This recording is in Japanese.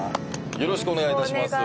よろしくお願いします。